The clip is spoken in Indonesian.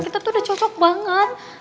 kita tuh udah cocok banget